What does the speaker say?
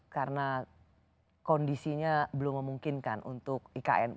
karena kondisinya belum memungkinkan untuk ikn